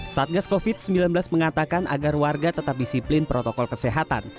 satgas covid sembilan belas mengatakan agar warga tetap disiplin protokol kesehatan